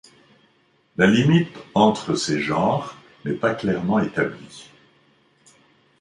La limite entre ces genres n'est pas clairement établie.